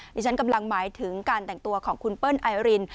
ดิฉันกำลังหมายถึงการแต่งตัวของคุณเปิ้ลไอริน